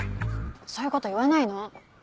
そういうこと言わないの。